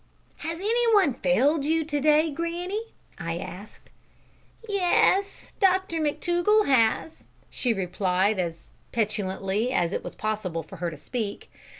"Has any one failed you to day, granny?" I asked. "Yes, Dr McTougall has," she replied as petulantly as it was possible for her to speak.